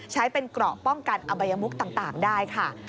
ใช้เป็นเกราะป้องกันอบายมุกต่างได้ค่ะ